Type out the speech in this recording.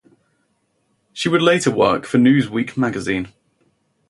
She would later work for "Newsweek magazine".